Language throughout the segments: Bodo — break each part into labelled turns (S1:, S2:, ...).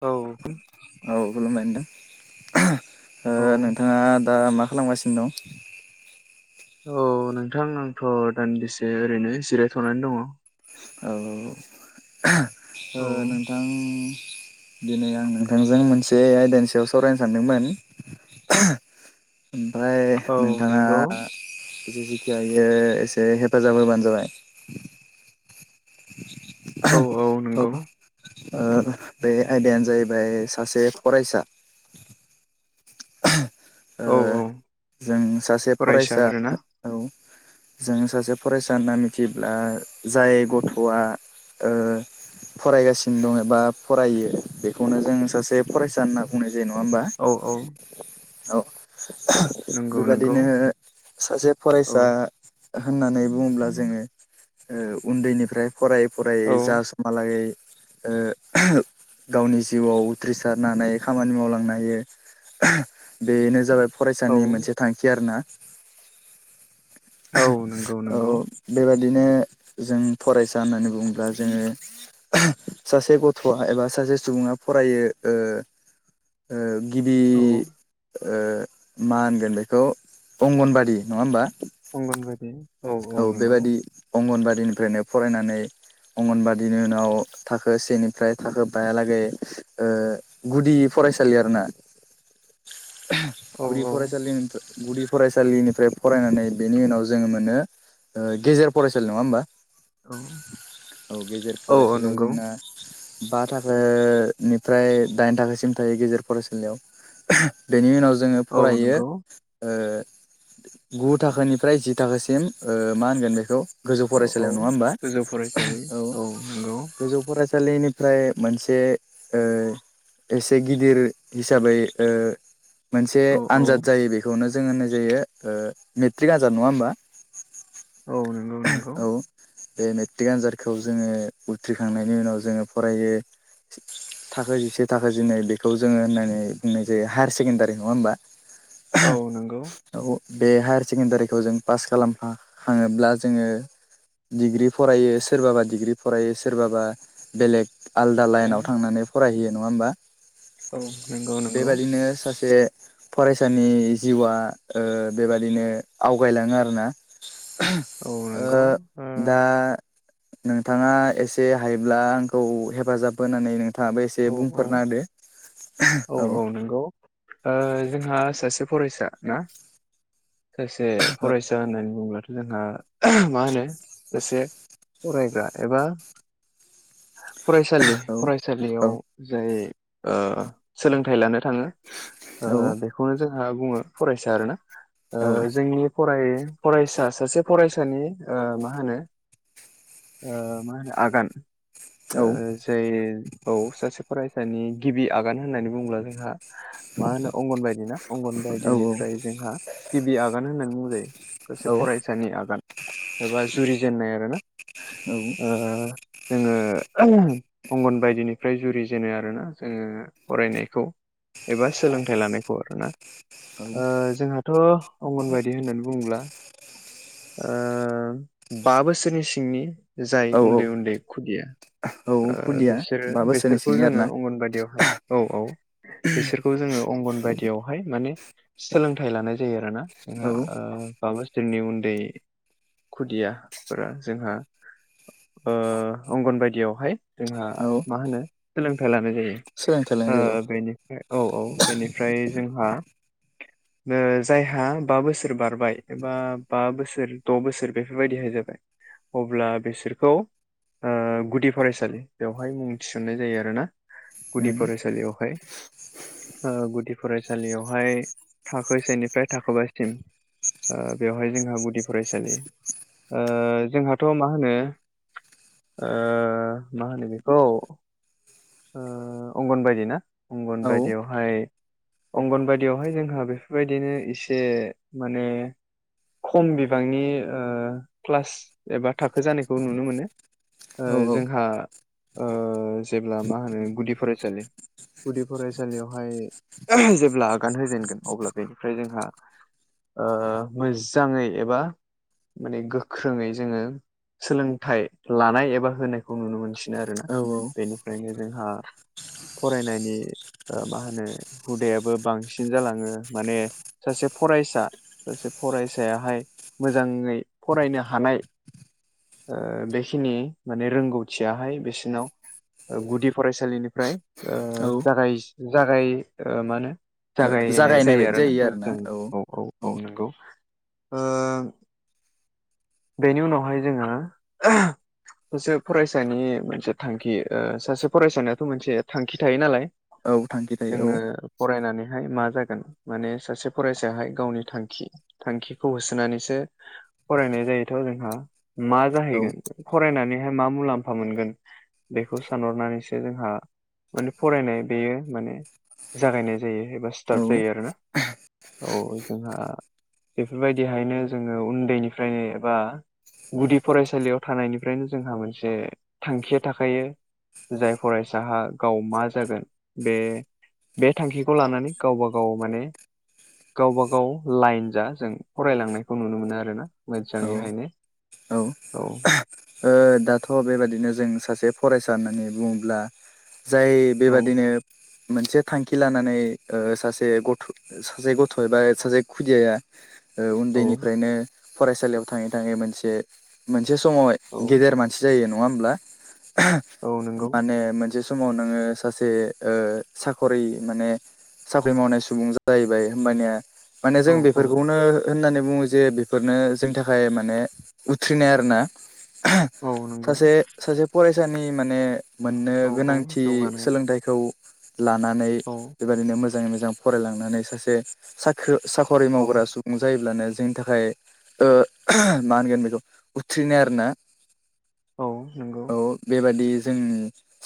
S1: औ
S2: औ खुलुमबाय
S1: औ
S2: नोंथां नोंथाङा दा मा खालामगासिनो दं
S1: औ नोंथां आंथ' दान्दिसे ओरैनो जिरायथ'नानै दङ
S2: औ ओ
S1: औ
S2: नोंथां दिनै आं नोंथांजों मोनसे आयदानि सायाव सरायनो सानदोंमोन ओमफ्राय
S1: औ
S2: नोंथाङा
S1: नंगौ
S2: जिखि हायो एसे हेफाजाब होबानो जाबाय
S1: औ औ नोंगौ।
S2: ओ बे आयदायानो जाहैबाय सासे फरायसा ओ
S1: औ औ
S2: जों सासे फरायसा औ जों सासे फरायसा होनना मिथिब्ला जाय गथ'आ ओ फरायगासिनो दङ एबा फरायो बेखौनो जों सासे फरायसा होनना बुंनाय जायो । नङा होनबा?
S1: औ औ
S2: औ
S1: नंगौ नंगौ
S2: बेबायादिनो सासे
S1: औ
S2: फरायसा होननानै बुङोब्ला जोङो ओउन्दैनिफ्राय फरायै-फरायै
S1: औ
S2: जा समहा लागै ओ गावनि जिउआव उथ्रिसारनानै खामानि मावलांनो हायो बेनो जाबाय
S1: औ
S2: फरायसानि मोनसे थांखि आरोना
S1: औ नंगौ
S2: औ
S1: नंगौ
S2: बेबा यदिनो जों फरायसा होननानै बुङोब्ला जोङो सासे गथ'आ एबा सासे सुबुङा फरायो ओ ओ गिबि
S1: औ
S2: ओ मा होनगोन बेखौ अंगनबादि, नङा होमबा?
S1: अंगनबादि
S2: औ बेबादि अंगनबादिनिफ्रायनो फरायनानै अंगनबादिनि उनाव थाखो सेनिफ्राय थाखो बायालागै ओ गुदि फरायसालि आरोना
S1: [inaudible] औ
S2: गुदि
S1: औ
S2: फरायसालिनिफ्राय गुदि फरायसालिनिफ्राय फरायनानै बेनि उनाव जोङो मोनो ओ गेजेर फरायसालि। नङा होमबा?
S1: औ
S2: औ गजेर
S1: औ औ
S2: फरायसालियाव
S1: नंगौ
S2: जोंना बा थाखोनिफ्राय दाइन थाखोसिम थायो गेजेर फरायसालियाव। बेनि उनाव जोङो
S1: औ
S2: फरायो
S1: नंगौ
S2: ओ मा होनगोन बेखौ गोजौ
S1: औ औ
S2: फरायसालियाव, नङा होमबा?
S1: गोजौ फरायसालि
S2: औ
S1: नंगौ
S2: गोजौ फराय सालिनिफ्राय मोनसे ओ एसे गिदिर हिसाबै ओ मोनसे
S1: औ औ
S2: आनजाद जायो बेखौनो जोङो होननाय जायो ओ मेट्रिक आनजाद, नङा होमबा?
S1: औ नोंगौ नोंगौ।
S2: औ बे मेट्रिक आनजादखौ जोङो उथ्रिखांनायनि उनाव जोङो फरायो थाखो जिसे थाखो जिनै बेखौ जोङो होननानै बुंनाय जायो हायार सेकेण्डारि। नङा होमबा?
S1: औ नोंगौ।
S2: औ बे हायार सेकेणडारिखौ जों पास खालाम खा-खाङोब्ला जोङो डिग्रि फरायो, सोरबाबा डिग्रि फरायो सोरबाबा बेलेग आलदा
S1: औ
S2: लाइनाव थांनानै फरायहैयो। नङा होमबा?
S1: औ नंगौ नंगौ
S2: बेबादिनो सासे फरायसानि जिउआ ओ बेबादिनो आवगायलाङो आरोना
S1: औ
S2: ओ
S1: नंगौ
S2: दा नोंथाङा एसे हायोब्ला आंखौ हेफाजाब होनानै नों थाङाबो एसे
S1: ओ औ
S2: बुंफोरना होदो।
S1: औ औ नोंगौ । ओ जोंहा सासे फरायसा ना? सासे फरायसा होननानै बुंबा जोंहा मा होनो एसे फरायग्रा एबा फरायसालि
S2: औ
S1: फरायसालियाव जाय ओ सोलोंथाइ लानो थाङो ओ
S2: औ
S1: बेखौनो जोंहा बुङो फरायसा आरोना ओ
S2: औ
S1: जोंनि फराय-फरायसा सासे फरायसानि ओ मा होनो ओ मा होनो आगान ओ जाय औ सासे फरायसानि गिबि आगान होननानै बुङोब्ला जोंहा मा होनो अंगन बायदिना अंगन
S2: औ
S1: बायदिनिफ्राय जोंहा गिबि आगान होननानै बुंजायो सासे फरायसानि आगान। एबा जुरि जेननाय आरोना। ओ
S2: औ।
S1: जोङो अंगन बायदिनिफ्राय जुरि जेनो आरोना जोङो फरायनायखौ। एबा सोलोंथाइ लानायखौ आरोना ओ जोंहा। ओ अंगनबादि होननानै बुंब्ला ओ बा बोसोरनि सिंनि जाय
S2: औ औ
S1: उन्दै उन्दै खुदिया।
S2: औ
S1: ओ
S2: खुदिया
S1: बिसोरो
S2: बा बोसोरनि
S1: बेसोरखौ
S2: सिंनि
S1: जोङो
S2: आरोना
S1: अंगनबादियावहाय औ औ बिसोरखौ जोङो। अंगनबादियावहाय माने सोलोंथाइ लानाय जायो आरोना
S2: औ
S1: जोंहा ओ। जोंनि उन्दै खुदियाफोरा जोंहा। ओ अंगन बायदियावहाय जोंहा
S2: औ
S1: मा होनो सोलोंथाइ लानाय।
S2: सोलोंथाइ लानाय जायो
S1: ओ बेनिफ्राय औ औ बेनिफ्राय जोंहा। ओ जायहा बा बोसोर बारबाय बा बा बोसोर द बोसोर बेफोरबायदिहाय जाबाय। अब्ला बिसोरखौ ओ गुदि फरायसालि बेवहाय मुं थिसननाय जायो आरोना। गुदि फरायसालियावहाय ओ गुदि फरायसा। सालियावहाय थाखोसेनि। फ्राय थाखोबासिम ओ बेवहाय जोंहा गुदि फरायसालि। ओ जोंहाथ' मा होनो। ओ मा होनो बेखौ ओ अंगन बायदि ना।
S2: औ
S1: अंगनबादियावहाय अंगनबादियावहाय जोंहा बेफोरबायदिनो। इसे माने। खम बिबांनि ओ क्लास एबा थाखो जानायखौ नुनो मोनो। ओ
S2: औ
S1: जोंहा ओ जेब्ला मा होनो गुदि फरायसालि। गुदि फरायसालियावहाय जेब्ला आगान होजेनगोन अब्ला बेनिफ्राय जोंहा ओ मोजाङै एबा माने गोख्रोङै जोङो सोलोंथाइ लानाय एबा होनायखौ नुनो मोनसिनो आरोना।
S2: औ
S1: बेनिफ्रायनो जोंहा फरायनायनि ओ मा होनो हुदायाबो बांसिन जालाङो माने। सासे फरायसा सासे फरायसायाहाय मोजाङै फरायनो हानाय। ओ बेखिनि माने रोंगौथियाहाय बिसिनाव गुदि फरायसालिनिफ्राय ओ
S2: औ
S1: जागाय जागाय ओ मा होनो जागायनाय जायो आरो ना।
S2: आरो ना औ।
S1: औ नंगौ ओ बेनि उनावहाय जोङो सोब फरायसानि मोनसे थांखि ओ सासे फरायसानियाथ मोनसे थांखि थायो नालाय।
S2: औ थांखि थायो औ।
S1: जोङो फरायनानैहाय मा जागोन माने सासे फरायसायाहाय गावनि थांखि थांखिखौ होसोनानैसो। फरायनाय जायो। दाथ' जोंहा मा
S2: औ
S1: जाहैगोन फरायनानैहाय मा मुलाम्फा मोनगोन। बेखौ सानहरनानैसो जोंहा माने फरायनाय बेयो माने। जागायनाय जायो एबा स्टार्ट
S2: औ
S1: जायो आरोना। औ जोंहा बेफोरबायदिहायनो जोंङो उन्दैनिफ्रायनो बा गुदि फरायसालियाव थानायनिफ्रायनो जोंहा मोनसे थांखिया थाखायो। जाय फरायसाहा गाव मा जागोन बे। बे थांखिखौ लानानै गावबा गाव माने। गावब गाव लाइन जा जों फरायलांनायखौ नुनो मोनो आरोना
S2: औ
S1: मोजाङैहायो औ
S2: दाथ' बेबायाददिनो जों सासे फरायसा होननानै बुङोब्ला जाय
S1: औ
S2: बेबादिनो मोनसे थांखि लानानै ओ सासे गथ' सासे गथ' एबा सासे खुदियाया
S1: औ
S2: उन्दैनिफ्रायनो फरायसालियाव थाङै थाङै मोनसे मोनसे समावहाय
S1: औ
S2: गेदेर मानसि जायो नङा होमब्ला
S1: औ नंगौ
S2: माने मोनसे समाव नोङो सासे साखरि माने साख्रि मावनाय सुबुं जाहैबाय हबानिया माने जों
S1: औ औ
S2: बेफोरखौनो होननानै बुङो जे बेफोरनो जोंनि थाखाय माने उथ्रिनाय आरो ना
S1: औ नंगौ
S2: सासे सासे फरायसानि माने मोननो
S1: औ औ
S2: गोनांथि
S1: जौगानाय
S2: सोलोंथाइखौ लानानै
S1: औ
S2: बेबायदिनो मोजाङै मोजां फरायलांनानै सासे साख्रि साखरि
S1: औ
S2: मावग्रा सुबुं जायोब्लानो जोंनि थाखाय ओ मा होनगोन बेखौ उथ्रिनाय आरोना
S1: औ नंगौ
S2: औ बेबादि जों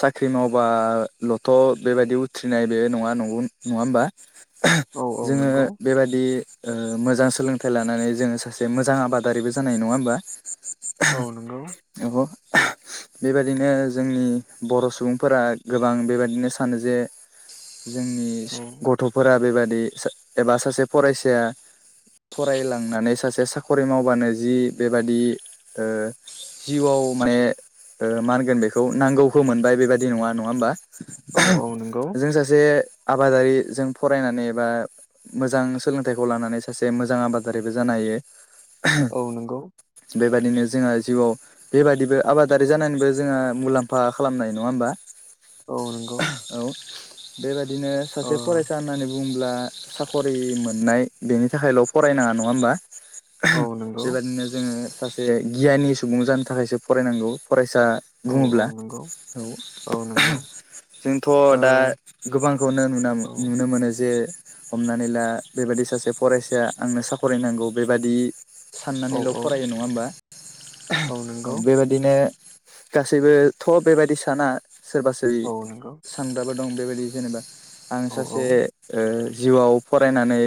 S2: साख्रि मावबाल'थ' बेबायदि उथ्रिनाय बे नङा नग नङा होमबा
S1: औ औ
S2: जोङो
S1: नंगौ
S2: बेबादि ओ मोजां सोलोंथाइ लानानै जोङो सासे मोजां आबादारिबो जानाय नङा होमबा
S1: औ नोंगौ
S2: आब'?
S1: [inaudible]
S2: बेबायाददिनो जोंनि बर' सुबुंफोरा गोबां बेबायदिनो सानो जे जोंनि गथ'फोरा बेबादि एबा सासे फरायसाया फरायलांनानै सासे साख्रि मावबानो जि बेबादि ओ जिउआव माने ओ मा होनगोन बेखौ नांगौखौ मोनबाय बेबादि नङा नङा होमबा
S1: औ औ नंगौ
S2: जों सासे आबादारिजों फरायनानै एबा मोजां सोलोंथाइखौ लानानै सासे मोजां आबादारिबो जानो हायो
S1: औ नंगौ
S2: बेबायदिनो जोङो जिउआव बेबादिबो आबादारि जानानैबो जोङा मुलाम्फा खालामनाय नङा होमबा?
S1: औ नंगौ
S2: औ बेबायदिनो
S1: ओ
S2: सासे फरायसा होननानैबो बुंब्ला साख'रि मोननाय बेनि थाखायल' फरायनाङा नङा होमबा
S1: औ नंगौ
S2: बेबायादिनो जोङो सासे गियानि सुबुं जानो थाखायसो फरायनांगौ फराय फिसा
S1: औ औ
S2: बुङोब्ला
S1: नंगौ
S2: औ
S1: औ नंगौ
S2: जोंथ'
S1: ओ
S2: दा गोबांखौनो नुना नुनो मोनो जे हमनानै ला बेबायादि सासे फरायसाया आंनो साखरायनांगौ बेबादि
S1: औ
S2: साननानैल'
S1: औ
S2: फरायो नङा होमबा औ बेबायदिनो गासैबो थ' बेबायदि साना सोरबासि
S1: औ नंगौ
S2: सानग्राबो दं बेबायदि जेनेबा आं
S1: औ
S2: सासे जिउआव फरायनानै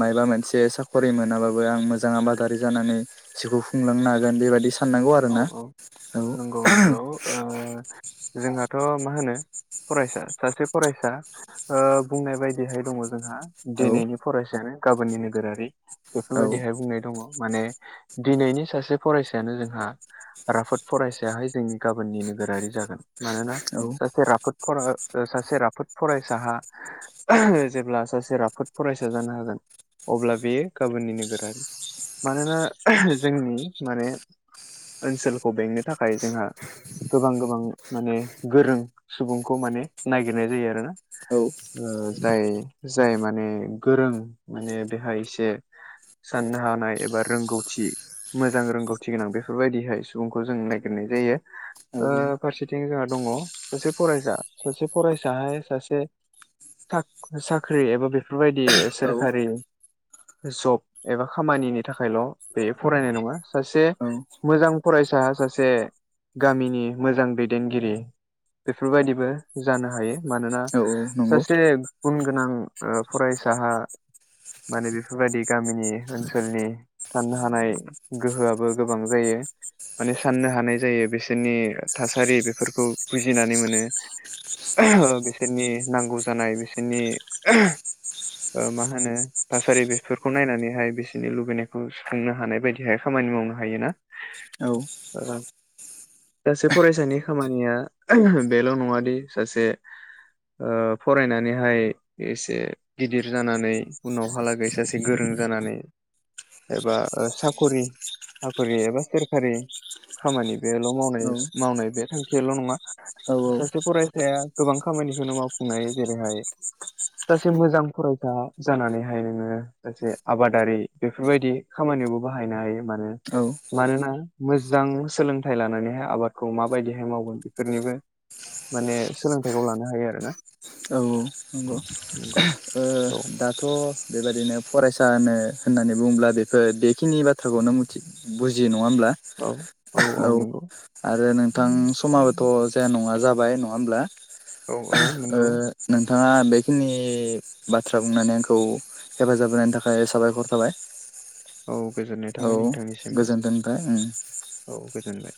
S2: मायबा मोनसे साख'रि मोनाबाबो आं मोजां आबादारि जानानै जिउखौ खुंलांनो हागोन बेबायदि साननांगौ
S1: औ
S2: आरोना
S1: औ
S2: औ
S1: नंगौ थ' मा होनो फरायसा सासे फरायसा बुंनाय बायदिहाय दङ जोंहा
S2: औ
S1: दिनैनि फरायसायानो गाबोननि नोगोरारि
S2: औ
S1: बेफोरबायदिहाय बुंनाय दङ माने दिनैनि सासे फरायसायानो जोंहा राफोद फरायसायाहाय जों गाबोननि नोगोरारि जागोन मानोना
S2: औ
S1: सासे राफोदफोरागा सासे राफोद फरायसाहा जेब्ला सासे राफोद फरायसा जानो हागोन अब्ला बेयो गाबोननि नोगोरारि मानोना जोंनि माने ओनसोलखौ बेंनो थाखाय जोंहा गोबां गोबां माने गोरों सुबुंखौ माने नागिरनाय जायो आरोना
S2: औ
S1: ओ जाय जाय माने गोरों माने बेहाय एसे साननो हानाय एबा रोंगौथि मोजां रोंगौथि गोनां बेफोर बेफोरबायदिहाय सुबुंखौ जों ननायागिरनाय जायो ओ फारसेथिं जोंहा दंङ सासे फरायसा सासे फरायसाहाय सासे साख साख्रि एबा बेफोरबायदि
S2: औ
S1: सोरखारि जब एबा खामानिनि थाखायल' बे फरायनाय नंङा सासे
S2: औ
S1: मोजां फरायसा सासे गामिनि मोजां दैदेनगिरि बेफोरबायदिबो जानो हायो। मानोना
S2: औ नंगौ
S1: सासे गुन गोनां ओ फरायसाहा माने बेफोरबायदि गामिनि ओनसोलनि साननो हानाय गोहोआबो गोबां जायो। माने साननो हानाय जायो बिसोरनि थासारि बेफोरखौ बुजिनानै मोनो बिसोरनि नांगौ जानाय बिसोरनि ओ मा होनो थासारि बेफोरखौ नायनानैहाय बिसोरनि लुबैनायखौ सुफुंनो हानाय बायदिहाय खामानि खामानि मावनो हायो ना
S2: औ
S1: सासे फरायसानि खामानिया बेल' नंङादि सासे ओ फरायनानैहाय एसे गिदिर जानानै उनावहालागै सासे गोरों जानानै एबा साखरि साखरि एबा सोरखारि खामानि बेल मावनाय मावनाय बे थांखियाल नंङा सासे फरायसाया गोबां खामानिखौनो मावफुंनो हायो जेरैहाय सासे मोजां फरायसा जानानैहाय नोंङो सासे आबादारि बेफोरबायदि खामानि बो बाहायनो हायो मानो
S2: औ
S1: मानोना मोजां सोलोंथाइ लानानैहाय आबादखौ माबायदिहाय मावगोन बेफोरनिबो माने सोलोंथाइखौ लानो हायो आरोना
S2: उम नंगौ
S1: औ
S2: दाथ' बेबायदिनो फरायसानो होननानै बुंङोब्ला बेफोर बेखिनि बाथ्राखौनो मिथि बुजियो नंङा नंङाहोनबला औ आरो नोंथां समाबोथ' जाया नंङा ज बाय नंङा होमब्ला
S1: औ औ
S2: ओ
S1: नंगौ
S2: नोंथांङा बेखिनि बा बाथ्रा बुंनानै आंखौ हेफाजाब होनायनि थाखाय साबायखर थाबाय।
S1: औ गोजोननाय
S2: औ
S1: थाबाय नोंथांनिसिमबो
S2: गोजोनथों नोंथां उम
S1: औ गोजोनबाय